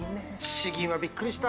詩吟はびっくりした。